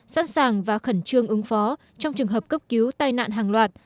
sẵn sàng và khẩn trương ứng phó trong trường hợp cấp cứu tai nạn hàng loạt